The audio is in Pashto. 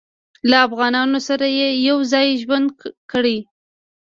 له افغانانو سره یې یو ځای ژوند کړی.